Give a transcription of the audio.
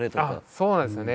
そうなんですよね。